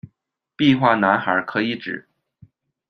壁花男孩可以指：